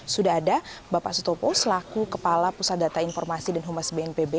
sudah ada bapak sutopo selaku kepala pusat data informasi dan humas bnpb